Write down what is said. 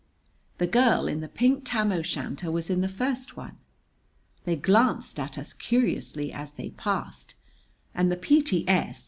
The girl in the pink tam o' shanter was in the first one. They glanced at us curiously as they passed, and the P.T.S.